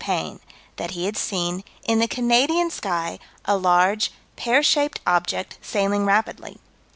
Payne: that he had seen, in the Canadian sky, a large, pear shaped object, sailing rapidly.